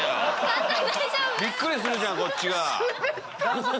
びっくりするじゃんこっちが。